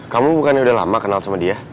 kamu bukannya udah lama kenal sama dia